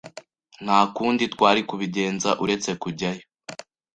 Nta kundi twari kubigenza uretse kujyayo.